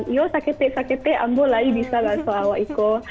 iya saya juga bisa bahasa inggris